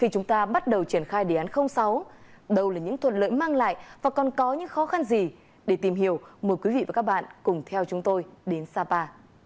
chúng ta bắt đầu triển khai đề án sáu đâu là những thuận lợi mang lại và còn có những khó khăn gì để tìm hiểu mời quý vị và các bạn cùng theo chúng tôi đến sapa